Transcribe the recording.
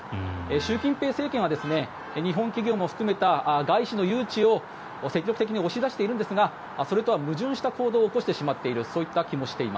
習近平政権は日本企業も含めた外資の誘致を積極的に押し出しているんですがそれとは矛盾した行動を起こしてしまっている。